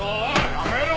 やめろ！